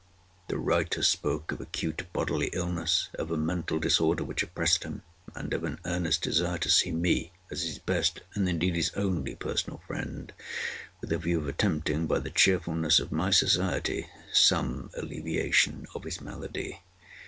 The writer spoke of acute bodily illness—of a mental disorder which oppressed him—and of an earnest desire to see me, as his best, and indeed his only personal friend, with a view of attempting, by the cheerfulness of my society, some alleviation of his malady.